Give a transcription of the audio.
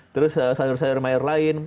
terus sayur sayur mayor lain